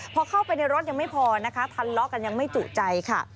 พอเข้าไปในรถยังไม่พอนะคะทะเลาะกันยังไม่จุใจค่ะ